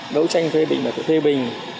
đấu tranh thuê bình và thuê bình